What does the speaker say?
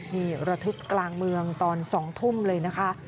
นี่ระทึกกลางเมืองตอน๒ทุ่มเลยนะคะ